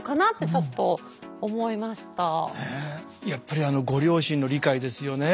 やっぱりあのご両親の理解ですよね。